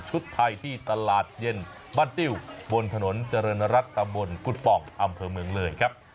ไทยที่ตลาดเย็นบ้านติ้วบนถนนเจริญรัฐตำบลกุฎป่องอำเภอเมืองเลยครับ